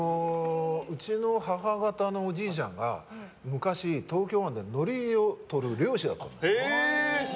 うちの母方のおじいちゃんが昔、東京湾でのりをとる漁師だったんです。